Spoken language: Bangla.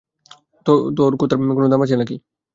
তোর কথার কোন দাম আছে না কী?